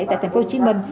tại thành phố hồ chí minh